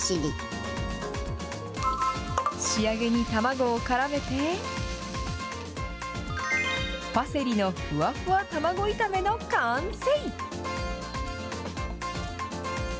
仕上げに卵をからめて、パセリのふわふわ卵炒めの完成。